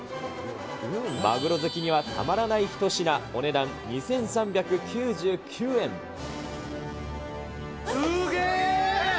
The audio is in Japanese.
マグロ好きにはたまらない一品、すげー。